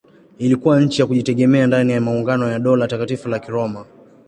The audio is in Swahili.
Ilikuwa nchi ya kujitegemea ndani ya maungano ya Dola Takatifu la Kiroma.